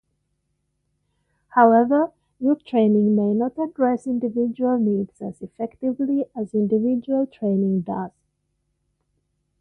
However, group training may not address individual needs as effectively as individual training does.